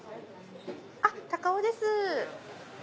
あっ鷹尾です。